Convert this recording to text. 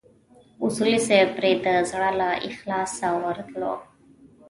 اصولي صیب پرې د زړه له اخلاصه ورتلو.